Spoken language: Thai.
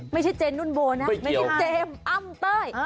เจนนุ่นโบนะไม่ใช่เจมส์อ้ำเต้ย